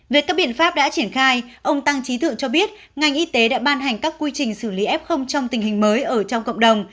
về các biện pháp đã triển khai ông tăng trí thượng cho biết ngành y tế đã ban hành các quy trình xử lý f trong tình hình mới ở trong cộng đồng